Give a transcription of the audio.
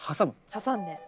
挟んで。